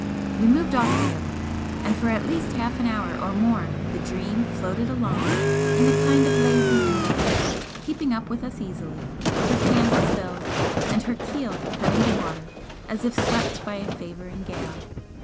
We moved off together, and for at least half an hour or more the 'Dream' floated along in a kind of lazy indolence, keeping up with us easily, her canvas filled, and her keel cutting the water as if swept by a favouring gale.